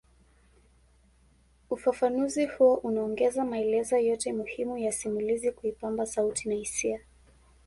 Ufafanuzi huo unaongeza maelezo yote muhimu ya simulizi kuipamba sauti na hisia